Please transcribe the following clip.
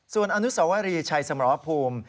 ส่วนอนุสวรีชัยสมรภูมิ